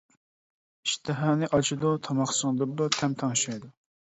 ئىشتىھانى ئاچىدۇ، تاماق سىڭدۈرىدۇ، تەم تەڭشەيدۇ.